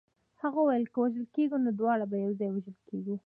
هغې ویل که وژل کېږو نو دواړه به یو ځای وژل کېږو